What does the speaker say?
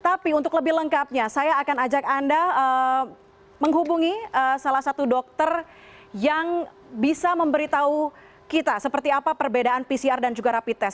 tapi untuk lebih lengkapnya saya akan ajak anda menghubungi salah satu dokter yang bisa memberitahu kita seperti apa perbedaan pcr dan juga rapid test